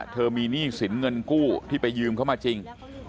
เธอมีหนี้สินเงินกู้ที่ไปยืมเขามาจริง